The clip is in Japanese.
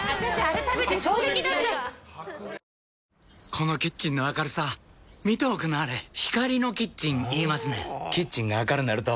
このキッチンの明るさ見ておくんなはれ光のキッチン言いますねんほぉキッチンが明るなると・・・